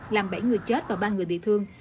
làm bảy người chết và ba người bị thương